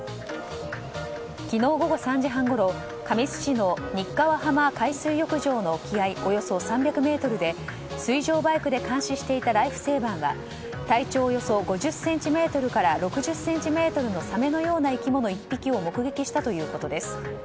昨日午後３時半ごろ神栖市の日川浜海水浴場の沖合およそ３００ｍで水上バイクで監視していたライフセーバーが体長およそ５０ｃｍから６０ｃｍのサメのような生き物１匹を目撃したということです。